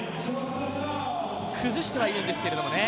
崩してはいるんですけどもね。